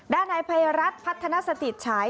ด้านในภัยรัฐพัฒนสติฉาย